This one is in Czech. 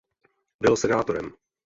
Byl senátorem.